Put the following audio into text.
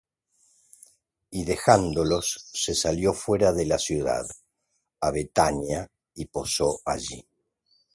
Y dejándolos, se salió fuera de la ciudad, á Bethania; y posó allí.